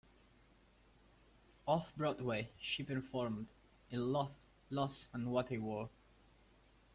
Off-Broadway, she performed in "Love, Loss, and What I Wore".